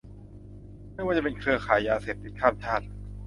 ไม่ว่าจะเป็นเครือข่ายยาเสพติดข้ามชาติ